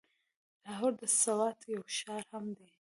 لاهور د سوات يو ښار هم دی.